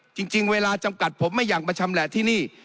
จริงเวลาจำกัดผมไม่อยากมาชำแหละที่นี่